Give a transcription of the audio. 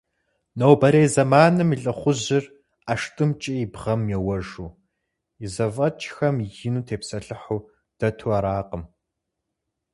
Нобэрей зэманым и лӏыхъужьыр ӏэштӏымкӏэ и бгъэм еуэжу, и зэфӏэкӏхэм ину тепсэлъыхьу дэту аракъым.